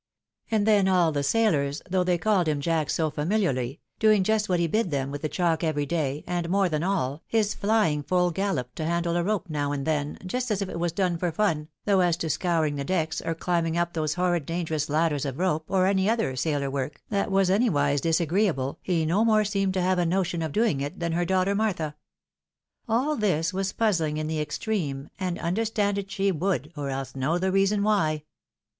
And then all the sailors, though they called him Jack so familiarly, doing just what he bid them with the chalk every day, and more than all, his flying fuU gallop to handle a rope now and then, just as if it was done for fun, though as to scouring the decks, or climbing up those horrid dangerous ladders of rope^or any other sailor work, that was anywise disagreeable, he no more seemed to have a notion of doing it than her daughter Martha. AH this was puzzhng in the extreme, and understand it she would, or else know the reason why.